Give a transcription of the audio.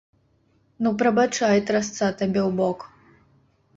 Ну, прабачай, трасца табе ў бок!